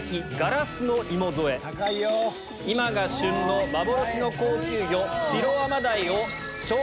今が旬の幻の高級魚。